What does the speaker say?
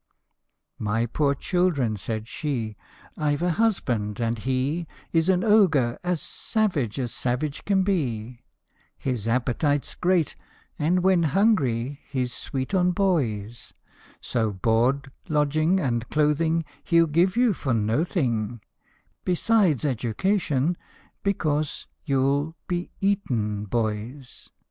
" My poor children !" said she, " I Ve a husband, and he Is an Ogre as savage as savage can be ; His appetite 's great, and when hungry he 's sweet on boys ; So board, lodging, and clothing He '11 give you for no thing,* Besides education because you '11 be Eton, boys